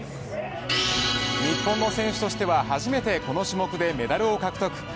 日本の選手としては初めてこの種目でメダルを獲得。